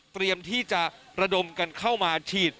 เตรียมที่จะระดมกันเข้ามาฉีด